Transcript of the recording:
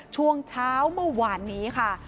ช่วงเช้าเมื่อวานนี้ค่ะ